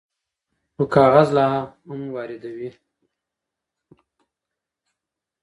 خو کاغذ لا هم واردوي.